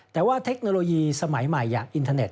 แต่ว่าเทคโนโลยีสมัยใหม่อย่างอินเทอร์เน็